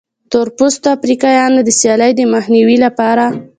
د تور پوستو افریقایانو د سیالۍ د مخنیوي لپاره.